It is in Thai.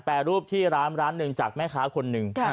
รูปที่ร้านร้านหนึ่งจากแม่ค้าคนหนึ่ง